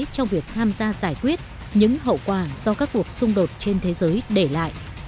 trong việc tham gia giải quyết những hậu quả do các cuộc xung đột trên thế giới để lại